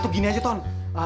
aduh gini aja ton